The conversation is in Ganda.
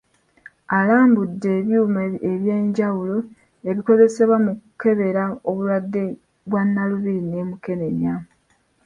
Alambudde ebyuma ebyenjawulo ebikozesebwa mu kukebera obulwadde bwa Nalubiri ne mukenenya.